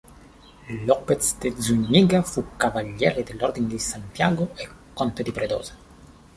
López de Zúñiga fu cavaliere dell'Ordine di Santiago e conte di Pedrosa.